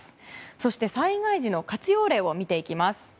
そして災害時の活用例を見ていきます。